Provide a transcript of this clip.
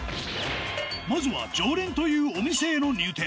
まずは常連というお店への入店